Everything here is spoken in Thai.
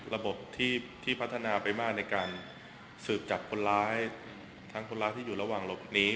ระบบที่พัฒนาไปมากในการสืบจับคนร้ายทั้งคนร้ายที่อยู่ระหว่างหลบหนี